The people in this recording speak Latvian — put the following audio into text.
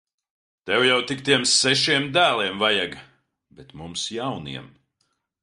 Tev jau tik tiem sešiem dēliem vajag! Bet mums jauniem.